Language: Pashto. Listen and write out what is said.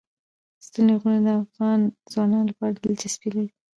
ستوني غرونه د افغان ځوانانو لپاره دلچسپي لري.